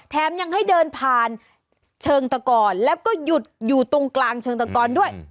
แถมยังให้เดินผ่านเชิงตะกอนแล้วก็หยุดอยู่ตรงกลางเชิงตะกอนด้วย